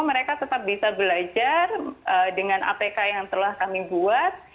mereka tetap bisa belajar dengan apk yang telah kami buat